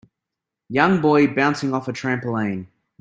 Young boy bouncing off a trampoline.